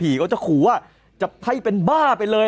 ผีเขาก็จะขวะจับให้เป็นบ้าไปเลย